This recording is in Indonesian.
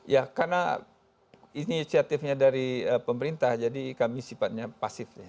ya karena inisiatifnya dari pemerintah jadi kami sifatnya pasif ya